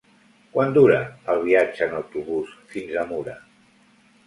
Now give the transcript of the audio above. Quant dura el viatge en autobús fins a Mura?